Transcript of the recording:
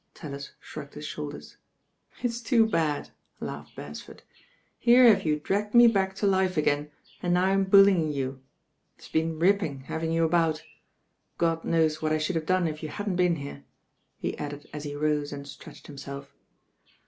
Tallis shrugged his shoulders. "It's too bad," laughed Beresford, "here have you dragged me back to life again, and now I'm buUymg you. It's been ripping having you about. y^ THE BAIN OIRL God knonv what I should have done if you hadn*t been here," he added at he roM and stretched him self.